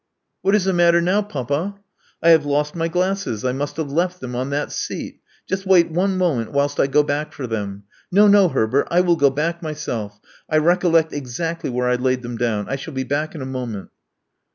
What is the matter now, papa?" I have lost my glasses. I must have left them on that seat. Just wait one moment whilst t go back for them. No, no, Herbert: I will go back myself. I recollect exactly where I laid them down. I shall be back in a moment."